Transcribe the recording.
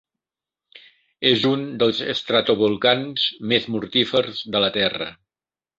És un dels estratovolcans més mortífers de la Terra.